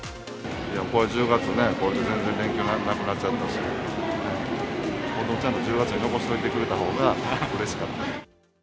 １０月ね、これで全然連休なくなっちゃったし、ちゃんと１０月に残しておいてくれたほうが、うれしかった。